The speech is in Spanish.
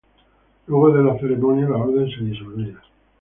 Luego de la ceremonia, la orden se disolvía.